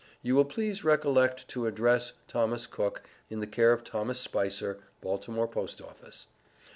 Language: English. You will please recollect to address Thomas Cook, in the care of Thomas Spicer, Baltimore Post office.